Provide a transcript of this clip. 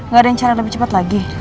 gak ada yang cara lebih cepat lagi